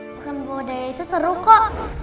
bukan budaya itu seru kok